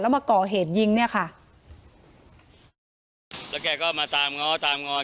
มาก่อเหตุยิงเนี่ยค่ะแล้วแกก็มาตามง้อตามง้อ